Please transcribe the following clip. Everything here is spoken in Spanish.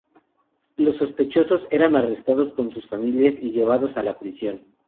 Los sospechosos eran arrestados con sus familias y llevados a la prisión.